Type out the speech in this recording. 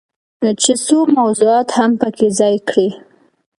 چې څو موضوعات هم پکې ځای کړي.